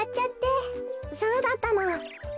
そうだったの。